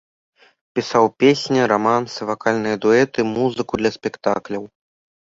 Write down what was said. Пісаў песні, рамансы, вакальныя дуэты, музыку для спектакляў.